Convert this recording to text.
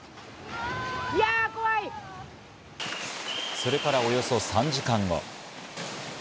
それからおよそ３時間後。